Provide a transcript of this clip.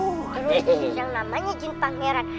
aduh yang namanya jin pangeran